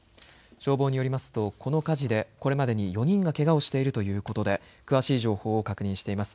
消防によりますと、この火事でこれまでに４人が、けがをしているということで詳しい状況を確認しています。